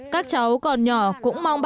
các cháu còn nhỏ cũng mong bà